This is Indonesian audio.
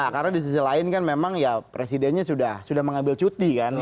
karena di sisi lain kan memang ya presidennya sudah mengambil cuti kan